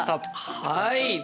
はい！